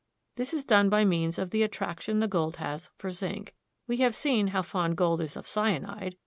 This is done by means of the attraction the gold has for zinc. We have seen how fond gold is of cyanide.